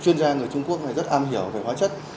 chuyên gia người trung quốc này rất am hiểu về hóa chất